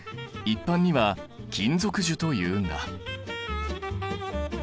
一般には金属樹というんだ。